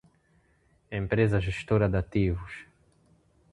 Empresa Gestora de Ativos